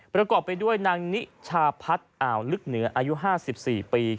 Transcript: ประกอบไปด้วยนางนิชาพัฒน์อ่าวลึกเหนืออายุ๕๔ปี